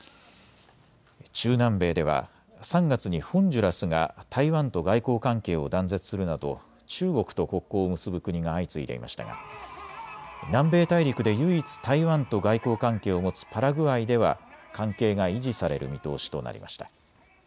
中南米では３月にホンジュラスが台湾と外交関係を断絶するなど中国と国交を結ぶ国が相次いでいましたが南米大陸で唯一、台湾と外交関係を持つパラグアイでは関係が維持される見通しとなりました。